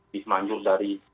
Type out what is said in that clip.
bisa menjurus dari